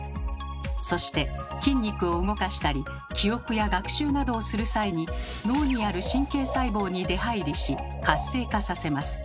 そして筋肉を動かしたり記憶や学習などをする際に脳にある神経細胞に出はいりし活性化させます。